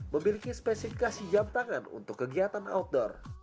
memiliki spesifikasi jam tangan untuk kegiatan outdoor